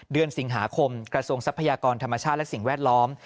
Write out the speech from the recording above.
เดือนสิงหาคมกระทรวงทรัพยากรธรรมชาติและสิ่งแวดล้อม